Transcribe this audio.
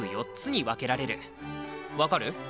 分かる？